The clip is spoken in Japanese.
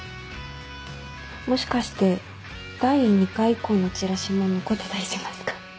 もしかして第２回以降のチラシも残ってたりしますか？